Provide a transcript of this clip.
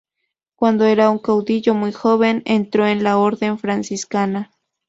Cuando era un caudillo muy joven, entró en la orden franciscana.